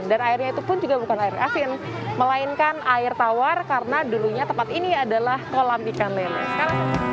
dan airnya itu pun juga bukan air asin melainkan air tawar karena dulunya tempat ini adalah kolam ikan leluhur